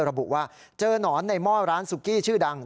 ระบุว่าเจอหนอนในหม้อร้านสุกี้ชื่อดัง